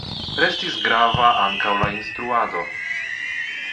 Restis grava ankaŭ la instruado.